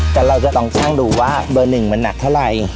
แต่เราจะต้องช่างดูว่าเบอร์หนึ่งมันหนักเท่าไหร่